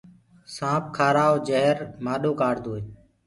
سآنٚپ کآرآئو جهر مآڏو ڪآڙدوئي